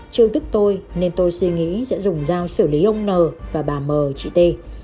chưa thức tôi nên tôi suy nghĩ sẽ dùng dao xử lý ông n và bà m chị t